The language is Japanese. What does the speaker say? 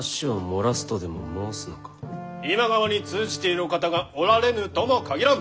今川に通じているお方がおられぬとも限らん！